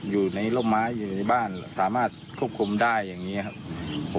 อยู่ในร่มไม้อยู่ในบ้านสามารถควบคุมได้อย่างนี้ครับ